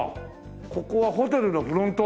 ここはホテルのフロント？